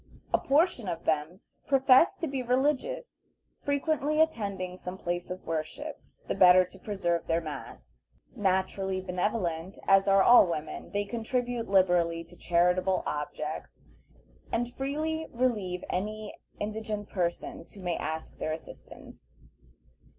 A portion of them profess to be religious, frequently attending some place of worship the better to preserve their mask. Naturally benevolent, as are all women, they contribute liberally to charitable objects, and freely relieve any indigent persons who may ask their assistance.